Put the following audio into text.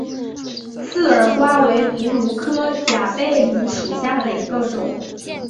刺儿瓜为葫芦科假贝母属下的一个种。